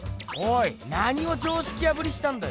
何を常識破りしたんだよ。